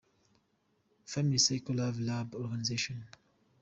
‘Family Circle Love Lab Organization ’.